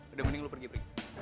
udah mending lo pergi pergi